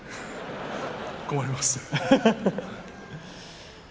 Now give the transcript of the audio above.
困ります。